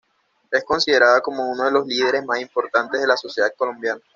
Es considerada como uno de los líderes más importantes de la sociedad colombiana.